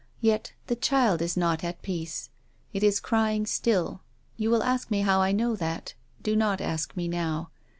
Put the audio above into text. " Yet the child is not at peace. It is crying still. You will ask me how I know that. Do not ask me now.